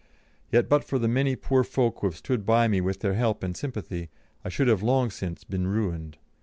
Yet but for the many poor folk who have stood by me with their help and sympathy, I should have long since been ruined.